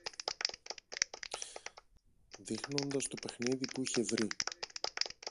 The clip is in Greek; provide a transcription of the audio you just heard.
δείχνοντας το παιχνίδι που είχε βρει